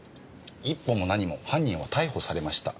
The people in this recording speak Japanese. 一歩も何も犯人は逮捕されました。